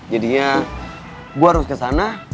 jadinya gue harus kesana